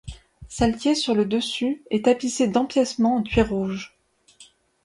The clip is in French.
Celle qui est sur le dessus est tapissée d'empiècements en cuir rouge.